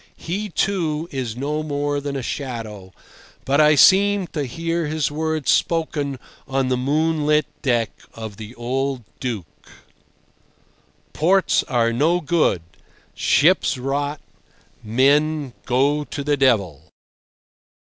He, too, is no more than a shadow, but I seem to hear his words spoken on the moonlit deck of the old Duke —: "Ports are no good—ships rot, men go to the devil!"